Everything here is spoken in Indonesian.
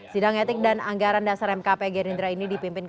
sidang etik dan anggaran dasar mkp gerindra ini dipimpin